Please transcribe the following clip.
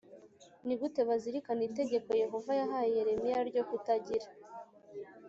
ni gute bazirikana itegeko Yehova yahaye Yeremiya ryo kutagira